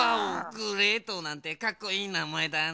「グレート」なんてかっこいいなまえだね。